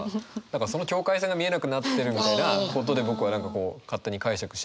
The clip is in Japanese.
何かその境界線が見えなくなってるみたいなことで僕は何かこう勝手に解釈してて。